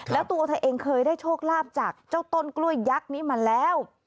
แล้วตัวเธอเองเคยได้โชคลาภจากเจ้าต้นกล้วยยักษ์นี้มาแล้ว